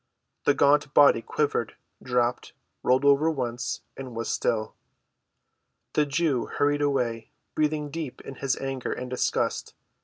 The gaunt body quivered, dropped, rolled over once, and was still. The Jew hurried away, breathing deep in his anger and disgust.